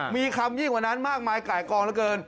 มีคำยิ่งกว่านั้นมากมายไก่กองเหลือเกิน